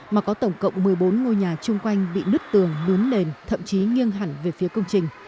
mà có tổng cộng một mươi bốn ngôi nhà chung quanh bị nứt tường nướn nền thậm chí nghiêng hẳn về phía công trình